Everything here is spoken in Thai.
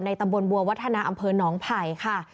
ตำบลบัววัฒนาอำเภอหนองไผ่ค่ะ